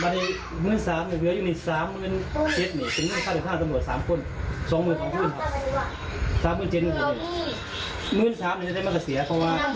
ทั้ง๖ประเทศงานฟรีอย่างนั้นผมจะต้องถึงเงินไหม้อีก